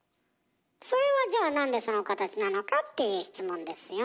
それはじゃあなんでその形なのかっていう質問ですよ。